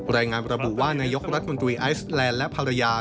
รายงานระบุว่านายกรัฐมนตรีไอซแลนด์และภรรยา